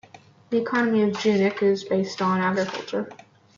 The economy of Junik is based on agriculture.